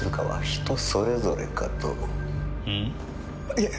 いえ